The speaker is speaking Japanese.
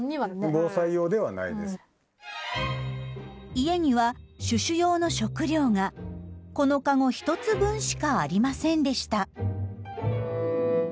家にはシュシュ用の食料がこのカゴ１つ分しかありませんでした。